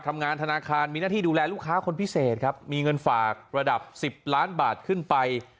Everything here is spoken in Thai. ทำงานธนาคารมีหน้าที่ดูแลลูกค้าคนพิเศษครับมีเงินฝากระดับ๑๐ล้านบาทขึ้นไป